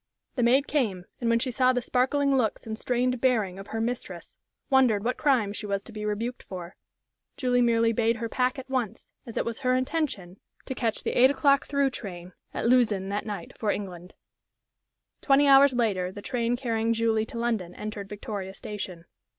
The maid came, and when she saw the sparkling looks and strained bearing of her mistress, wondered what crime she was to be rebuked for. Julie merely bade her pack at once, as it was her intention to catch the eight o'clock through train at Lausanne that night for England. Twenty hours later the train carrying Julie to London entered Victoria Station.